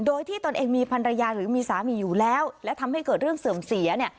โดยที่ตนเองมีพันรยาหรือมีสามีอยู่แล้วและทำให้เกิดเรื่องเสื่อมเสียเนี่ย